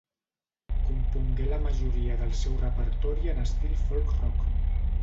Compongué la majoria del seu repertori en estil folk rock.